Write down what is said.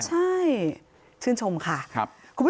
ใช่ชื่นชมค่ะ